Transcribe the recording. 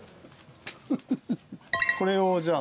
これをじゃあ。